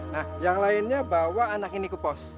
nah yang lainnya bawa anak ini ke pos